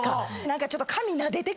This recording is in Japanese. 何かちょっと。